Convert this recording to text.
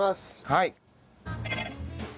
はい。